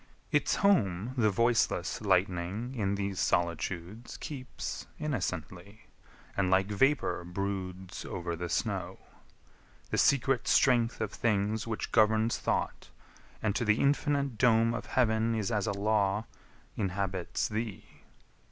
Its home The voiceless lightning in these solitudes Keeps innocently, and like vapour broods Over the snow. The secret Strength of things Which governs thought, and to the infinite dome Of Heaven is as a law, inhabits thee!